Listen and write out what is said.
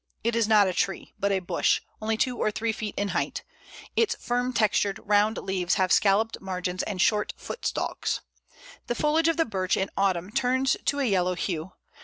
It is not a tree, but a bush, only two or three feet in height. Its firm textured, round leaves have scalloped margins and short footstalks. [Illustration: Pl. 16. Birch winter.] The foliage of the Birch in autumn turns to a yellow hue.